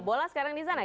bola sekarang di sana